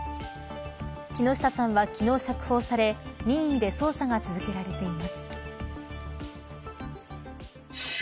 木下さんは昨日、釈放され任意で捜査が続けられています。